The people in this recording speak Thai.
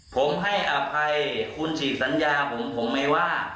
ผมให้อภัยคุณฉีกสัญญาผมผมไม่ว่า